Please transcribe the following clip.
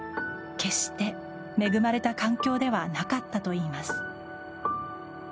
決して、恵まれた環境ではなかったといいます。